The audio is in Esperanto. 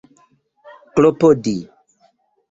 klopodi